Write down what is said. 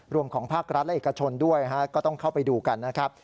ของภาครัฐและเอกชนด้วยก็ต้องเข้าไปดูกันนะครับ